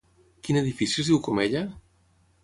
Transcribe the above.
Quin edifici es diu com ella?